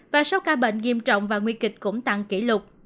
và số ca bệnh nghiêm trọng và nguy kịch cũng tăng kỷ lục